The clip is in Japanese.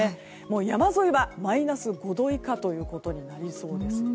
山沿いはマイナス５度以下となりそうです。